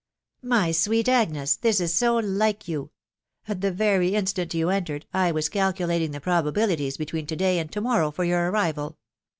" My sweet Agnes !.... This is so like you ! At theverj instant you entered,. I was calculating die probabilftiea betweea to day and to morrow for your arrival.